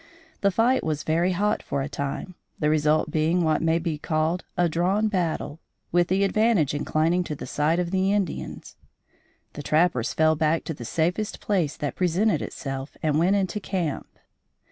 The fight was very hot for a time, the result being what may be called a drawn battle, with the advantage inclining to the side of the Indians. The trappers fell back to the safest place that presented itself and went into camp.